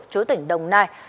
chối tỉnh đồng nai